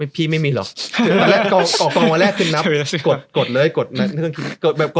พี่ไม่มีหรอก